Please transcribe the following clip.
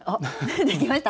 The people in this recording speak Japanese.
できました？